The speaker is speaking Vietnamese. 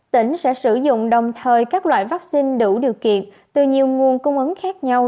tỉnh sẽ sử dụng đồng thời các loại vaccine đủ điều kiện từ nhiều nguồn cung ứng khác nhau